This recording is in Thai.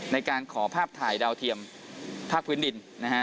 ในการขอภาพถ่ายดาวเทียมภาคพื้นดินนะฮะ